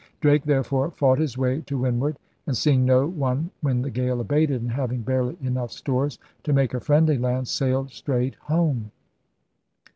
Drake there fore fought his way to windward; and, seeing no one when the gale abated, and having barely enough stores to make a friendly land, sailed straight home.